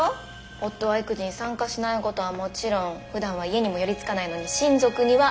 夫は育児に参加しないことはもちろんふだんは家にも寄りつかないのに親族にはいい顔してた。